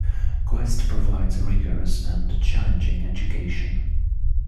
Quest provides a rigorous and challenging education.